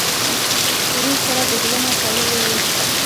ورور سره د زړه نه تړلې یې.